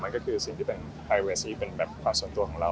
มันก็คือสิ่งที่เป็นปริเวสที่เป็นเป็นแบบส่วนตัวของเรา